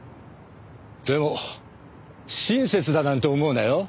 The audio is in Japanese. でも親切だなんて思うなよ。